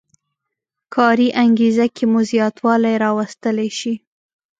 کاري انګېزه کې مو زیاتوالی راوستلی شي.